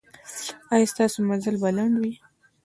ایا ستاسو مزل به لنډ وي؟